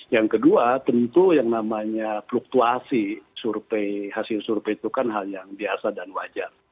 yang kedua tentu yang namanya fluktuasi survei hasil survei itu kan hal yang biasa dan wajar